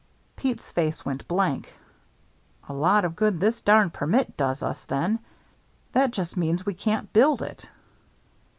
Pete's face went blank. "A lot of good this darned permit does us then. That just means we can't build it."